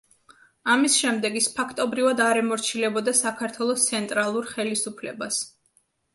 ამის შემდეგ ის ფაქტობრივად არ ემორჩილებოდა საქართველოს ცენტრალურ ხელისუფლებას.